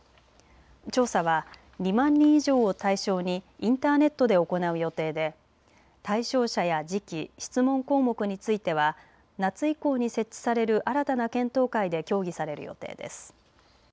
調査は２万人以上を対象にインターネットで行う予定で対象者や時期、質問項目については夏以降に設置される新たな検討会で協議される予定です。